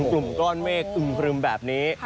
กลุ่มก้อนเมฆอึมครึมแบบนี้